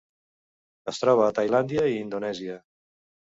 Es troba a Tailàndia i Indonèsia.